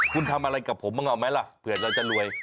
คุณทำอะไรกับผมบ้างเอาไหมล่ะเผื่อเราจะรวย